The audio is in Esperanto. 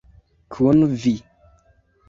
Kun vi.